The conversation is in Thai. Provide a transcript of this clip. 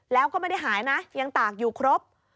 แล้วก็ไม่ได้หายนะยังตากอยู่ครบ